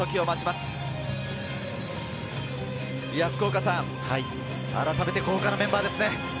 福岡さん、あらためて豪華なメンバーですね。